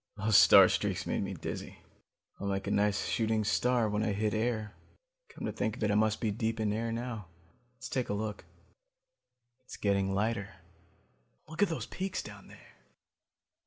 Those star streaks made me dizzy. I'll make a nice shooting star when I hit air. Come to think of it, I must be deep in air now. Let's take a look. "It's getting lighter. Look at those peaks down there!